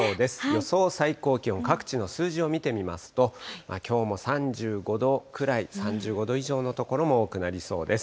予想最高気温、各地の数字を見てみますと、きょうも３５度くらい、３５度以上の所も多くなりそうです。